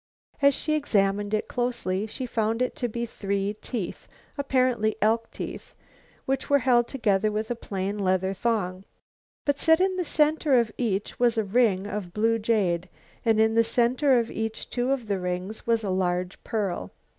As she examined it closely, she found it to be three teeth, apparently elk teeth. They were held together with a plain leather thong, but set in the center of each was a ring of blue jade and in the center of each of two of the rings was a large pearl.